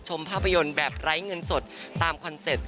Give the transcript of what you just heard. ภาพยนตร์แบบไร้เงินสดตามคอนเซ็ปต์